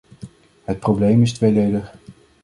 Het probleem is tweeledig.